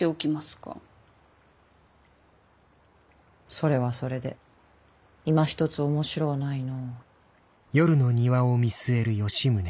それはそれでいまひとつ面白うないの。